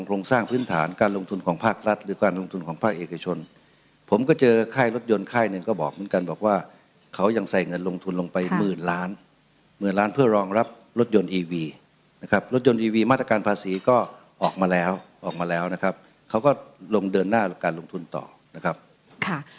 รถยนต์ค่ายรถยนต์ค่ายหนึ่งก็บอกเหมือนกันบอกว่าเขายังใส่เงินลงทุนลงไปหมื่นล้านหมื่นล้านเพื่อรองรับรถยนต์อีวีนะครับรถยนต์อีวีมาตรการภาษีก็ออกมาแล้วออกมาแล้วนะครับเขาก็ลงเดินหน้าการลงทุนต่อนะครับค่ะ